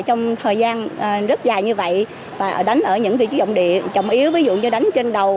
trong thời gian rất dài như vậy và đánh ở những vị trí dòng địa trọng yếu ví dụ như đánh trên đầu